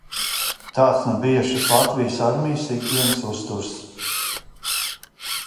Tāds nu bija šis Latvijas armijas ikdienas uzturs.